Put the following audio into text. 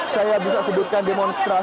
saya bisa sebutkan demonstrasi